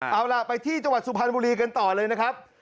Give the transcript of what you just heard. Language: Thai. เอาล่ะไปที่จังหวัดสุพรรณบุรีกันต่อเลยนะครับ